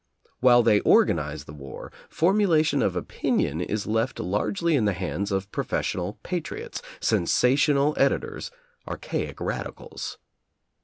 While they organize the war, formulation of opinion is left largely in the hands of professional patriots, sensational editors, archaic radicals.